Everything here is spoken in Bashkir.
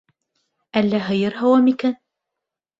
Әллә һыйыр һауа микән.